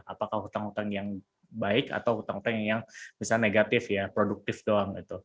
apakah hutang hutang yang baik atau hutang hutang yang negatif produktif doang